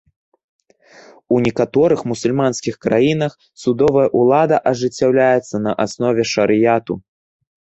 У некаторых мусульманскіх краінах судовая ўлада ажыццяўляецца на аснове шарыяту.